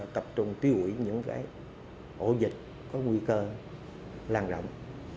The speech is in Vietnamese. tập trung tiêu ủy những ổ dịch có nguy cơ làng rộng